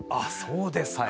そうですか！